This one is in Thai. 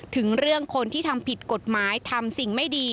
ถึงเรื่องคนที่ทำผิดกฎหมายทำสิ่งไม่ดี